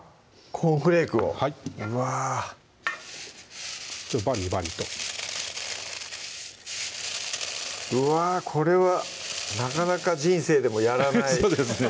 コーンフレークをはいバリバリとうわこれはなかなか人生でもやらないそうですね